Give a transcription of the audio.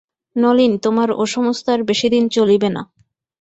নলিন, তোমার ও-সমস্ত আর বেশি দিন চলিবে না।